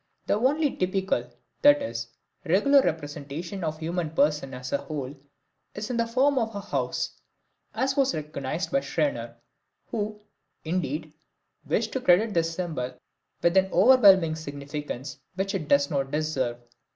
The only typical, that is, regular representation of the human person as a whole is in the form of a house, as was recognized by Scherner who, indeed, wished to credit this symbol with an overwhelming significance which it does not deserve.